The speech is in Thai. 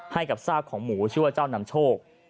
ให้กับซากของหมูชื่อว่าเจ้านำโชค